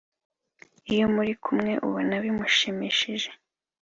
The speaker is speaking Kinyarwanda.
iyo muri kumwe ubona bimushimishije .